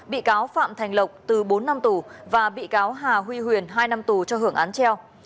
bị cáo phạm thành lộc từ bốn năm tù và bị cáo hà huy huyền hai năm tù cho hưởng án treo